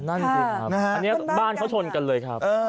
นั่นสิครับอันนี้บ้านเขาชนกันเลยครับ